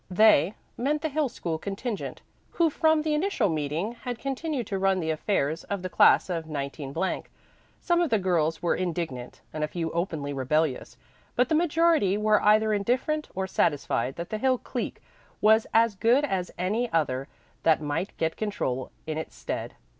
"They" meant the Hill School contingent, who from the initial meeting had continued to run the affairs of the class of 19 . Some of the girls were indignant, and a few openly rebellious, but the majority were either indifferent or satisfied that the Hill clique was as good as any other that might get control in its stead.